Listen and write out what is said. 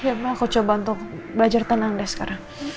ya aku coba untuk belajar tenang deh sekarang